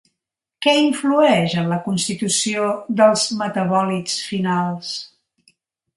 Què influeix en la constitució dels metabòlits finals?